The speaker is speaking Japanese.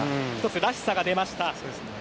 １つ、らしさが出ました。